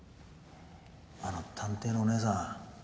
あの探偵のおねえさん